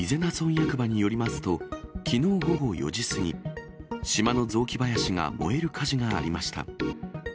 役場によりますと、きのう午後４時過ぎ、島の雑木林が燃える火事がありました。